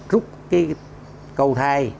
rút cái câu thai